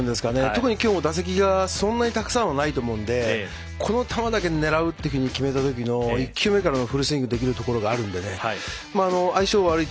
特に、きょう打席がそんなにたくさんはないと思うんで、この球だけって狙うっていうふうに決めたときの１球目からフルスイングできるので相性悪い